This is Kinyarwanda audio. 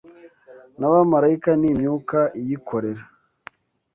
N’abamarayika ni “imyuka iyikorera,